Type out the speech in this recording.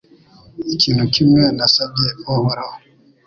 Ikintu kimwe nasabye Uhoraho